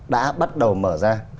đã bắt đầu mở ra